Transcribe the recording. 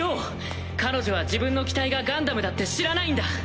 彼女は自分の機体がガンダムだって知らないんだ。